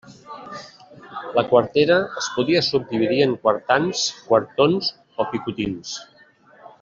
La quartera es podia subdividir en quartans, quartons o picotins.